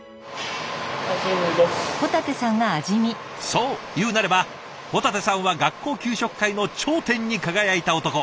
そう言うなれば保立さんは学校給食界の頂点に輝いた男。